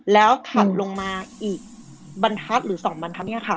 แล้วขัดลงมาอีกบรรทัดหรือสองบรรทัดเนี้ยค่ะ